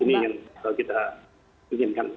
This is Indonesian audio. ini yang kita inginkan